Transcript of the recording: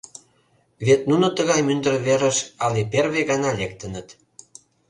Вет нуно тыгай мӱндыр верыш але первый гана лектыныт.